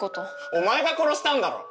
お前が殺したんだろ